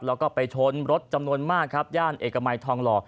แล้วก็ไปชนรถจำนวนมากครับย่านเอกมัยทองหล่อ